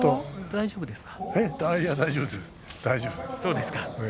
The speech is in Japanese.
大丈夫です。